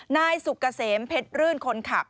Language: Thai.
นายสุกเกษมเพชรรื่นคนขับ